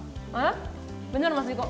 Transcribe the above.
hah bener mas diko